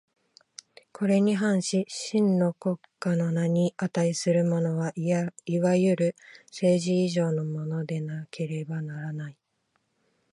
これに反し真の国家の名に価するものは、いわゆる政治以上のものでなければならない。